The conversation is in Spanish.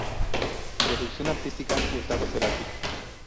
Producción artística: Gustavo Cerati.